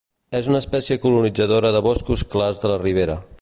És una espècie colonitzadora de boscos clars de la ribera.